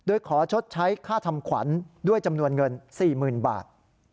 โดยขอชดใช้ค่าทำขวัญด้วยจำนวนเงิน๔๐๐๐บาท